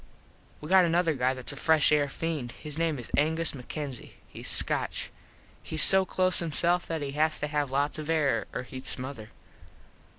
We got another guy thats a fresh air feend. His name is Angus MacKenzie. Hes Scotch. Hes so close himself that he has to have lots of air or hed smother.